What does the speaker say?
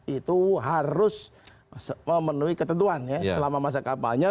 itu harus memenuhi ketentuan ya selama masa kampanye